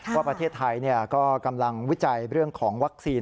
ว่าประเทศไทยก็กำลังวิจัยเรื่องของวัคซีน